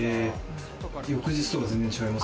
翌日とか全然違います？